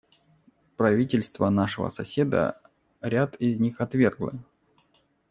Правительство нашего соседа ряд из них отвергло.